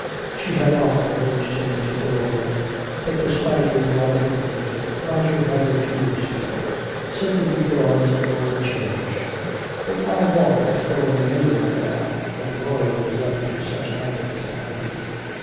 She had often urged him to go of late, but despite his liking for music Roger had refused before, simply because it was a change. But why balk at going anywhere now, when Laura was up to such antics at home?